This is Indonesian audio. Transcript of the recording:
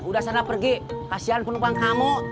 udah sana pergi kasihan penumpang kamu